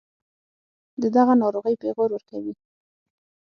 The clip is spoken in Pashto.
دَدغه ناروغۍپېغور ورکوي